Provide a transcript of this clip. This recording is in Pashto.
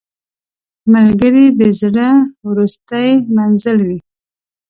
ملګری د زړه وروستی منزل وي